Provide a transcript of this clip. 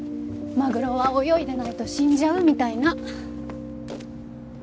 マグロは泳いでないと死んじゃうみたいな。